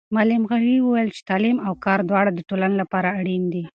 معلم غني وویل چې تعلیم او کار دواړه د ټولنې لپاره اړین دي.